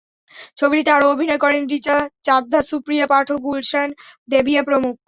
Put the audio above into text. ছবিটিতে আরও অভিনয় করেন রিচা চাদ্ধা, সুপ্রিয়া পাঠক, গুলশান দেবিয়া প্রমুখ।